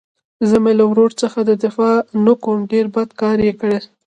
زه مې له ورور څخه دفاع نه کوم ډېر بد کار يې کړى.